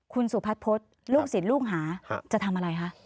คุณสุพัฒนพฤษลูกศิษย์ลูกหาจะทำอะไรคะ